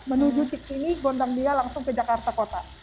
menuju cikini gondang dia langsung ke jakarta kota